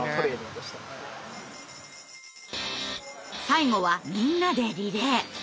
最後はみんなでリレー。